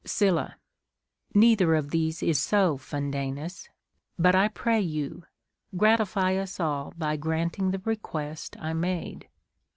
Sylla. Neither of these is so, Fundanus ; but, I pray you, gratify us all by granting the request I made.